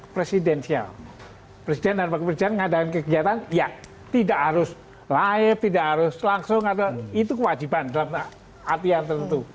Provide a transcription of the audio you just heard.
presiden dan pemerintahan mengadakan kegiatan ya tidak harus layep tidak harus langsung itu kewajiban dalam arti yang tertentu